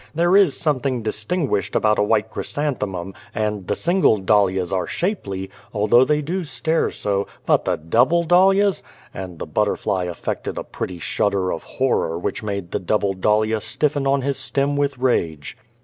There is something distin guished about a white chrysanthemum, and the single dahlias are shapely, although they do stare so ; but the double dahlias !" and the butterfly affected a pretty shudder of horror which made the double dahlia stiffen on his stem with rage.